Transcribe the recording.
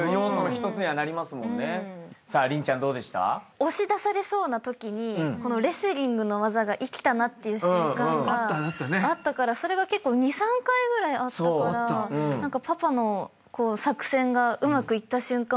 押し出されそうなときにレスリングの技がいきたなって瞬間があったからそれが結構２３回ぐらいあったからパパの作戦がうまくいった瞬間を見れたなと思って。